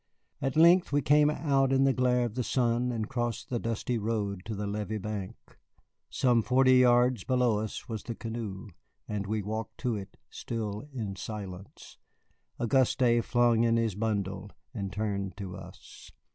At length we came out in the glare of the sun and crossed the dusty road to the levee bank. Some forty yards below us was the canoe, and we walked to it, still in silence. Auguste flung in his bundle, and turned to us.